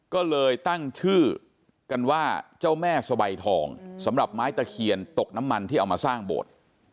ก็เลยตั้งชื่อกันว่าเจ้าแม่สบายทองสำหรับไม้ตะเคียนตกน้ำมันที่เอามาสร้างโบสถ์